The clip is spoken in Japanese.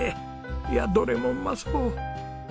いやどれもうまそう。